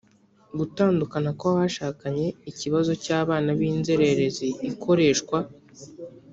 gutandukana kw abashakanye ikibazo cy abana b inzererezi ikoreshwa